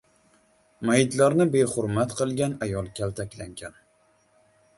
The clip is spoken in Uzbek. Mayitlarni behurmat qilgan ayol kaltaklangan